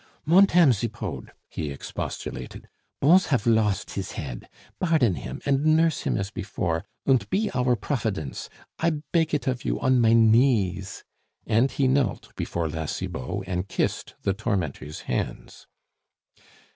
"Montame Zipod," he expostulated, "Bons haf lost his head. Bardon him, and nurse him as before, und pe our profidence; I peg it of you on mine knees," and he knelt before La Cibot and kissed the tormentor's hands.